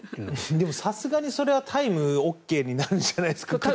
さすがにそれはタイムありになるんじゃないですか。